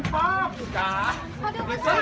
สวัสดีครับ